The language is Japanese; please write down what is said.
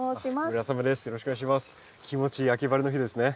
気持ちいい秋晴れの日ですね。